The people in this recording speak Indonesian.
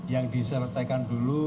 yang diselesaikan dulu